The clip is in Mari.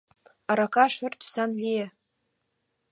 Арака шӧр тӱсан лие.